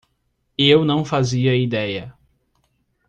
Eu não fazia ideia.